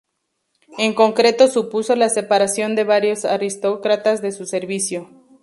En concreto supuso la separación de varios aristócratas de su servicio.